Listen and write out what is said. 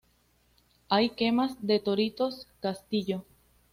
Hay quemas de toritos, castillo.